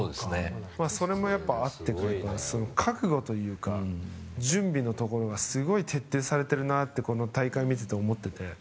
それもあってか覚悟というか、準備のところがすごい徹底されてるなとこの大会見てて思ってて。